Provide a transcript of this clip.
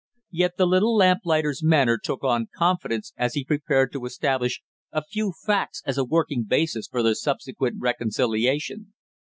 Yet the little lamplighter's manner took on confidence as he prepared to establish a few facts as a working basis for their subsequent reconciliation.